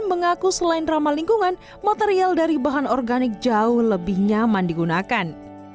mengaku selain ramah lingkungan material dari bahan organik jauh lebih nyaman digunakan